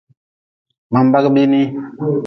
Ma-n bagi biinii.